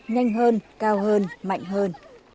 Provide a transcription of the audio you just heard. nhanh hơn cao hơn mạnh hơn